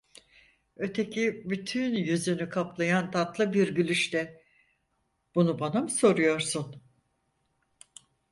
Öteki bütün yüzünü kaplayan tatlı bir gülüşle: Bunu bana mı soruyorsun?